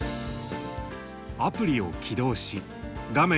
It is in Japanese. アプリを起動し画面